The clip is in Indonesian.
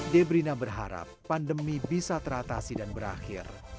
debrina berharap pandemi bisa teratasi dan berakhir